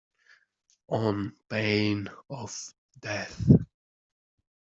On pain of death.